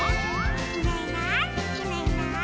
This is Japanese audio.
「いないいないいないいない」